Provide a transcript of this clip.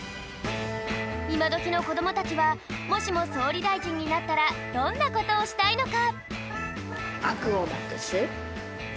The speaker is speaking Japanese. いまどきのこどもたちはもしもそうりだいじんになったらどんなことをしたいのか？